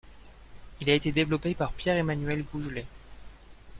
Il a été développé par Pierre-Emmanuel Gougelet.